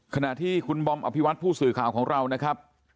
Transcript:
ขณะที่คุณบอมอภิวัตผู้สื่อข่าวของเรานะครับ